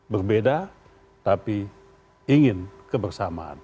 berbeda tapi ingin kebersamaan